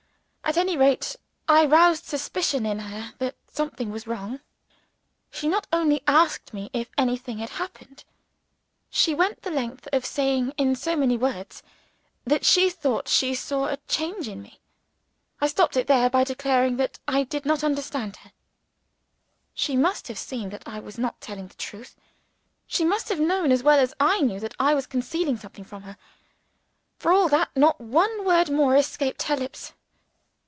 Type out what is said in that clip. At any rate, I roused the suspicion in her that something was wrong. She not only asked me if anything had happened, she went the length of saying, in so many words, that she thought she saw a change in me. I stopped it there, by declaring that I did not understand her. She must have seen that I was not telling the truth: she must have known as well as I knew that I was concealing something from her. For all that, not one word more escaped her lips.